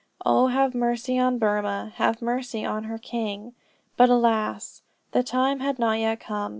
Oh have mercy on Burmah! Have mercy on her king!" But alas! the time had not yet come.